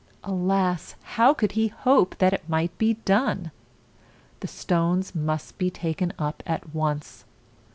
Alas! how could he hope that it might be done? The stones must be taken up at once.